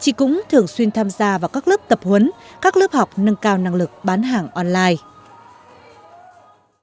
chị cũng thường xuyên tham gia vào các lớp tập huấn các lớp học nâng cao năng lực bán hàng online